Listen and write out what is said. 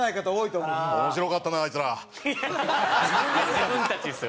自分たちですよ。